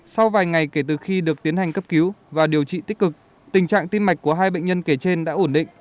sau vài ngày kể từ khi được tiến hành cấp cứu và điều trị tích cực tình trạng tim mạch của hai bệnh nhân kể trên đã ổn định